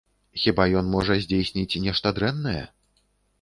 Хіба ён можа здзейсніць нешта дрэннае?!